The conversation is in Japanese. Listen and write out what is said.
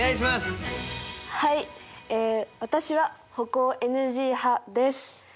え私は歩行ＮＧ派です。